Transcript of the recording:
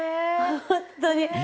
本当に。